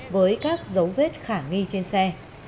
với các dấu vết khả nghi trên xe